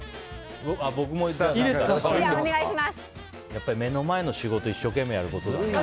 やっぱり目の前の仕事を一生懸命やることだね。